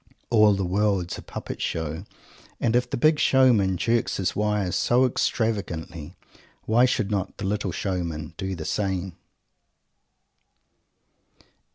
All the World's a Puppet Show, and if the Big Showman jerks his wires so extravagantly, why should not the Little Showman do the same?